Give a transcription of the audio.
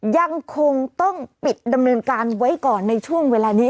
ยังคงต้องปิดดำเนินการไว้ก่อนในช่วงเวลานี้